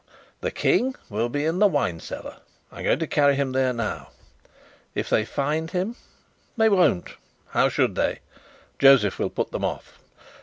"The King will be in the wine cellar. I'm going to carry him there now." "If they find him?" "They won't. How should they? Josef will put them off."